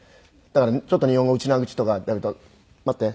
だからちょっと日本語うちなーぐちとか出ると「待って。